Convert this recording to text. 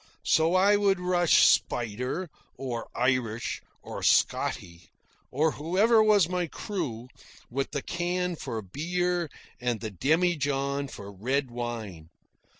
So I would rush Spider, or Irish, or Scotty, or whoever was my crew, with the can for beer and the demijohn for red wine.